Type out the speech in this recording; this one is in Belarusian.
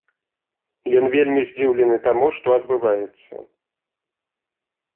Ён вельмі здзіўлены таму, што адбываецца.